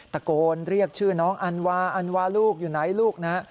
ตะโกนเรียกชื่อน้องอันวาอันวาลูกอยู่ไหนลูกนะ